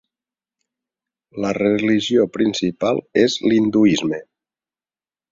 La religió principal és l'hinduisme.